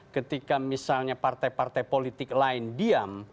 ketika misalnya partai partai politik lain diam